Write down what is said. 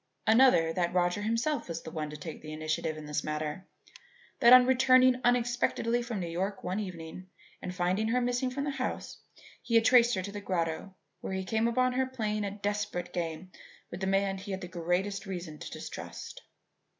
Another, that Roger himself was the one to take the initiative in this matter: That, on returning unexpectedly from New York one evening and finding her missing from the house, he had traced her to the grotto where he came upon her playing a desperate game with the one man he had the greatest reason to distrust.